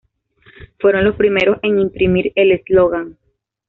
Fueron los primeros en imprimir el eslogan.